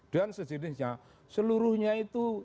dan sejenisnya seluruhnya itu